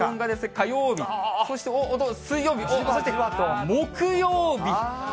火曜日、そして水曜日、そして木曜日。